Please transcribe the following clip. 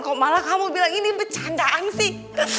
kok malah kamu bilang ini bercandaan sih